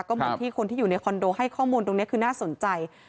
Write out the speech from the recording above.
ก็เหมือนที่คนที่อยู่ในคอนโดให้ข้อมูลตรงนี้คือน่าสนใจ